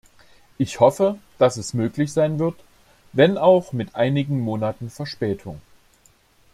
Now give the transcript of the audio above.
Ich hoffe, dass es möglich sein wird, wenn auch mit einigen Monaten Verspätung.